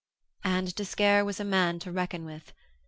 And d'Esquerre was a man to reckon with.